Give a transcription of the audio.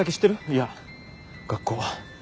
いや学校は。